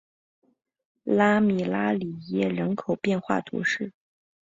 拉米拉里耶人口变化图示